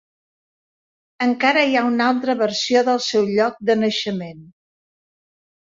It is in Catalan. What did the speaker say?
Encara hi ha una altra versió del seu lloc de naixement.